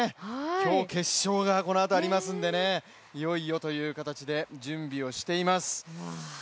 今日、決勝がこのあとありますのでいよいよという形で準備をしています。